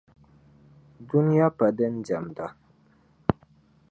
Duniya pa din diɛmda